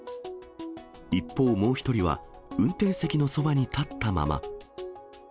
一方もう１人は、運転席のそばに立ったまま。